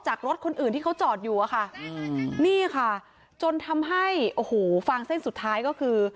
รถคนอื่นที่เขาจอดอยู่อะค่ะนี่ค่ะจนทำให้โอ้โหฟางเส้นสุดท้ายก็คือ